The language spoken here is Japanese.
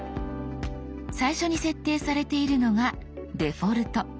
最初に設定されているのが「デフォルト」。